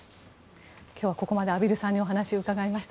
今日はここまで畔蒜さんにお話をお伺いしました。